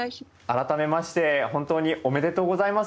改めまして本当におめでとうございます。